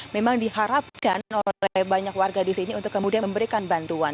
memang diharapkan oleh banyak warga di sini untuk kemudian memberikan bantuan